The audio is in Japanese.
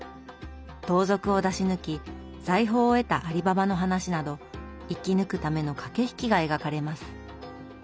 盗賊を出し抜き財宝を得たアリババの話など生き抜くための駆け引きが描かれます。